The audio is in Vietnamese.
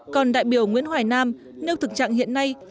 còn đại biểu nguyễn hoài nam nêu thực trạng hiện nay